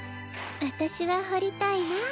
私は掘りたいな。